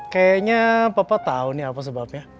kayaknya papa tahu nih apa sebabnya